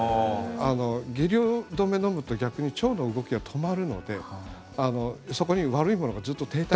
下痢止めを飲むと逆に腸の動きが止まるのでそこに悪いものがずっと停滞。